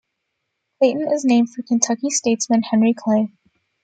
Clayton is named for Kentucky statesman Henry Clay.